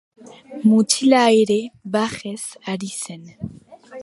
Mutila ere barrez ari zen.